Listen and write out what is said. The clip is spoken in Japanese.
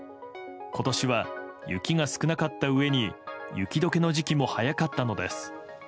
今年は雪が少なかったうえに雪解けの時期も早かったのです。